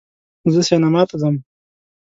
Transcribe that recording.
زه سینما ته ځم